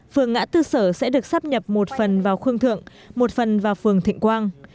phường ngã tư sở sẽ được sắp nhập một phần vào khương thượng một phần vào phường thịnh quang